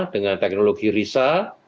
dengan teknologi risa